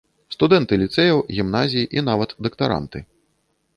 Студэнты ліцэяў, гімназій, і нават дактаранты.